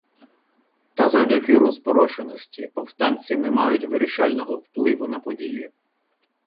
Та завдяки розпорошеності повстанці не мають вирішального впливу на події.